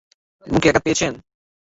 মুখে আঘাত পেয়েছেন?